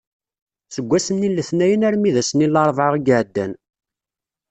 Seg wass-nni n letnayen armi d ass-nni n larebɛa i iɛeddan.